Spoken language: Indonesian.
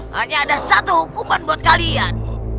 hanya ada satu hukuman buat kalian